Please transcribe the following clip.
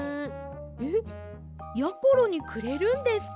えっやころにくれるんですか？